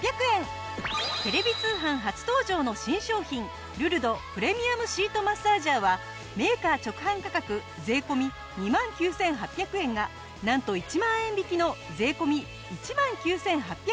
テレビ通販初登場の新商品ルルドプレミアムシートマッサージャーはメーカー直販価格税込２万９８００円がなんと１万円引きの税込１万９８００円。